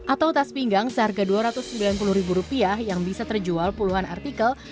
atau tas pinggang seharga rp dua ratus sembilan puluh yang bisa terjual puluhan artikel